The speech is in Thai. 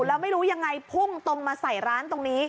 แล้วไม่รู้ยังไงพุ่งตรงมาใส่ร้านตรงนี้